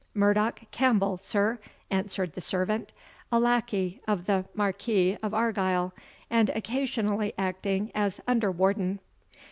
"Murdoch Campbell, sir," answered the servant, "a lackey of the Marquis of Argyle, and occasionally acting as under warden."